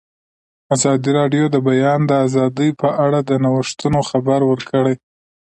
ازادي راډیو د د بیان آزادي په اړه د نوښتونو خبر ورکړی.